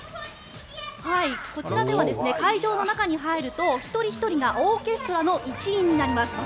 こちらでは会場の中に入ると一人ひとりがオーケストラの一員になります。